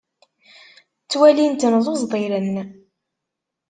Ttwalin-ten d uẓdiren.